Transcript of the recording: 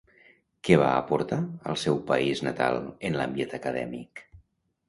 Què va aportar al seu país natal, en l'àmbit acadèmic?